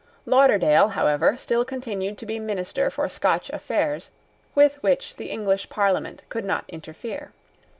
Lauderdale, however, still continued to be minister for Scotch affairs, with which the English Parliament could not interfere.